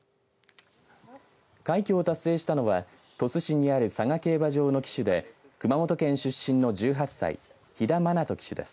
快挙を達成したのは鳥栖市にある佐賀競馬場の騎手で熊本県出身の１８歳飛田愛斗騎手です。